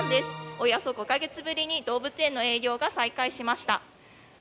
およそ５か月ぶりに、動物園の営業が再開しました。